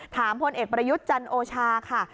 พลเอกประยุทธ์จันโอชาค่ะ